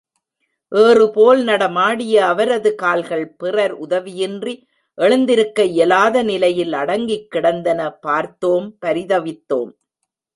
ஏறுபோல் நடமாடிய அவரது கால்கள் பிறர் உதவியின்றி எழுந்திருக்க இயலாத நிலையில் அடங்கிக் கிடந்தன பார்த்தோம், பரிதவித்தோம்!